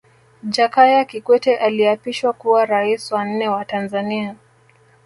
Jakaya Kikwete aliapishwa kuwa Rais wa nne wa Tanzania